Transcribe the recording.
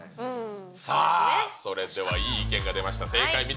さあ、それではいい意見が出ました。